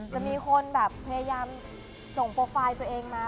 จะมีคนแบบพยายามส่งโปรไฟล์ตัวเองมา